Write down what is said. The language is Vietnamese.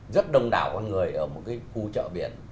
rất đông đảo con người ở một cái khu chợ biển